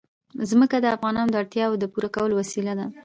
ځمکه د افغانانو د اړتیاوو د پوره کولو وسیله ده.